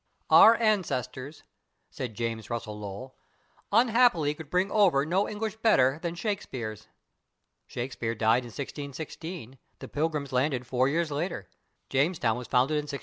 "Our ancestors," said James Russell Lowell, "unhappily could bring over no English better than Shakespeare's." Shakespeare died in 1616; the Pilgrims landed four years later; Jamestown was founded in 1607.